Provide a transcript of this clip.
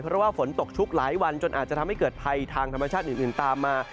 เพราะว่าฝนตกชุกหลายวันจนอาจจะทำให้เกิดภัยทางธรรมชาติอื่นตามมา